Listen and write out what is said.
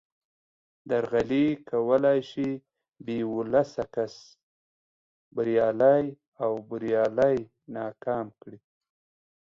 درغلي کولای شي بې ولسه کس بریالی او بریالی ناکام کړي